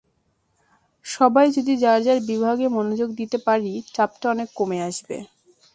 সবাই যদি যার যার বিভাগে মনোযোগ দিতে পারি, চাপটা অনেক কমে আসবে।